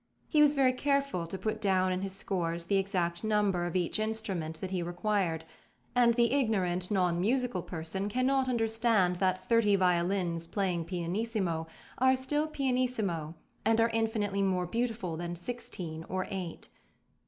He was very careful to put down in his scores the exact number of each instrument that he required, and the ignorant, non musical person cannot understand that thirty violins playing pianissimo are still pianissimo and are infinitely more beautiful than sixteen or eight.